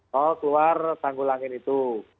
tol luar tanggulangin itu